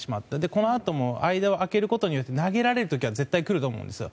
この後も間を空けることによって投げられる時は絶対来ると思うんですよ。